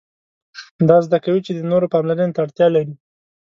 دا زده کوي چې د نورو پاملرنې ته اړتیا لري.